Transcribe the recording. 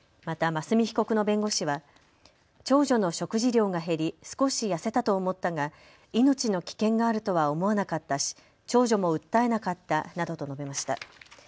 また、真純被告の弁護士は長女の食事量が減り少し痩せたと思ったが命の危険があるとは思わなかったし長女も訴えなかったなどと述べました。